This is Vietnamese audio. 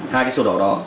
hai cái sổ đỏ đó